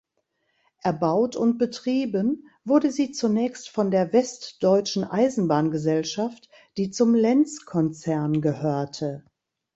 Erbaut und betrieben wurde sie zunächst von der Westdeutschen Eisenbahn-Gesellschaft, die zum Lenz-Konzern gehörte.